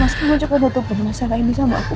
masa masa aku berbentuk penuh masalah ini sama aku